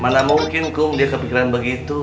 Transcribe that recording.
mana mungkin kum dia kepikiran begitu